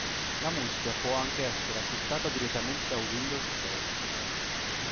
La musica può anche essere acquistata direttamente da Windows Store.